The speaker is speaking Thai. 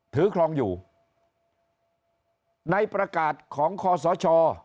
ครองอยู่ในประกาศของคอสช